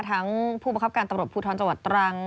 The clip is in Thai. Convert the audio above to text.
ผู้ประคับการตำรวจภูทรจังหวัดตรัง